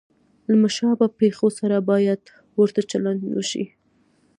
له مشابه پېښو سره باید ورته چلند وشي.